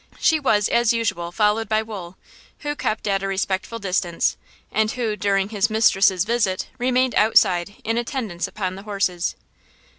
She was, as usual, followed by Wool, who kept at a respectful distance, and who, during his mistress' visit, remained outside in attendance upon the horses.